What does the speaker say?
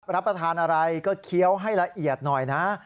รับประทานอะไรก็เคี้ยวให้ละเอียดหน่อยนะ